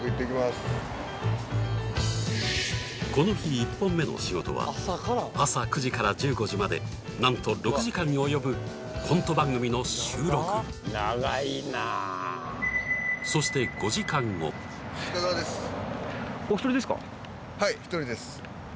この日１本目の仕事は朝９時から１５時まで何と６時間に及ぶコント番組の収録長いなそして５時間後お疲れさまです